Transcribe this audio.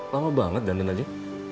lama banget dandan aja